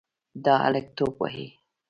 دا هلک توپ وهي.